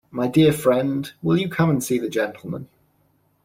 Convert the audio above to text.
My dear friend, will you come and see the gentleman?